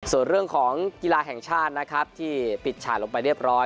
ส่วนเรื่องของกีฬาแห่งชาตินะครับที่ปิดฉายลงไปเรียบร้อย